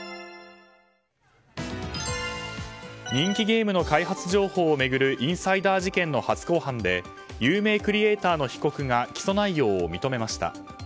人気ゲームの開発情報を巡るインサイダー事件の初公判で有名クリエーターの被告が起訴内容を認めました。